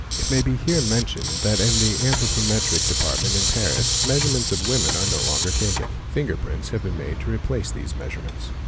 It may be here mentioned that in the Anthropometric Department in Paris measurements of women are no longer taken ; fingerprints being made to replace these measurements.